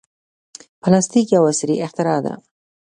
پلاستيک یو عصري اختراع ده.